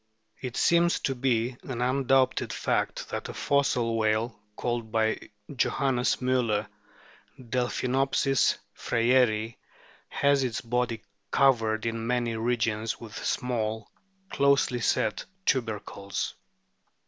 It seems to be an undoubted fact that a fossil whale, called by Johannes Mliller Delphinopsis freyeri, has its body covered in many regions with small, closely set tubercles.